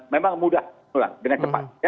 memang mudah menular dengan cepat